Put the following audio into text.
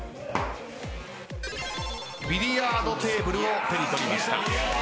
ビリヤードテーブルを手に取りました。